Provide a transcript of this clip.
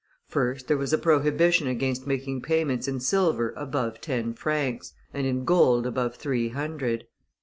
First, there was a prohibition against making payments in silver above ten francs, and in gold above three hundred.